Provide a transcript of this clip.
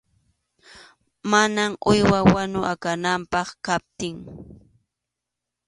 Mana uywa wanu akananpaq kaptin.